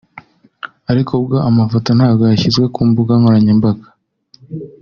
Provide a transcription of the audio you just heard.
Ariko bwo amafoto ntabwo yashyizwe ku mbuga nkoranyambaga